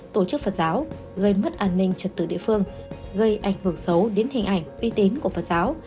tổ chức phật giáo gây mất an ninh trật tự địa phương gây ảnh hưởng xấu đến hình ảnh uy tín của phật giáo